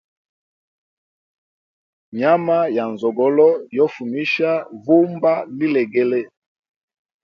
Nyama ya nzogolo yo fumisha vumba lilegele.